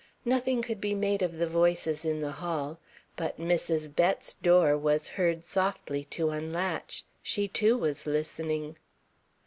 Nothing could be made of the voices in the hall. But Mrs. Bett's door was heard softly to unlatch. She, too, was listening.